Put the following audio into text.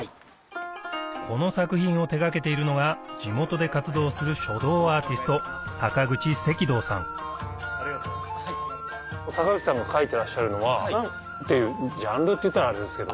この作品を手掛けているのが地元で活動する坂口さんが書いてらっしゃるのは何ていうジャンルっていったらあれですけど。